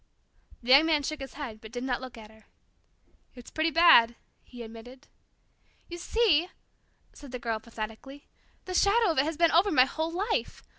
The Young Man shook his head, but did not look at her. "It's pretty bad," he admitted. "You see," said the Girl pathetically, "the shadow of it has been over my whole life.